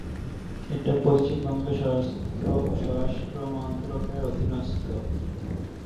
এটি পশ্চিমবঙ্গের স্বরাষ্ট্র মন্ত্রকের অধীনস্থ।